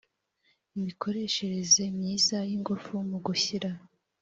imikoreshereze myiza y ingufu mu gushyira